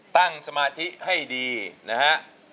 ตั้งสมาธิให้ดีนะฮะ